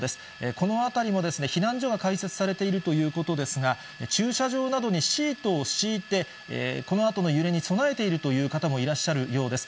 この辺りも、避難所が開設されているということですが、駐車場などにシートを敷いて、このあとの揺れに備えているという方もいらっしゃるようです。